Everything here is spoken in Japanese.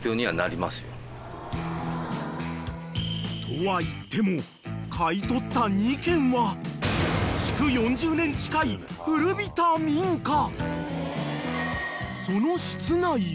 ［とはいっても買い取った２軒は築４０年近い古びた民家］